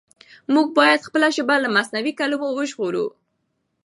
موږ بايد خپله ژبه له مصنوعي کلمو وژغورو.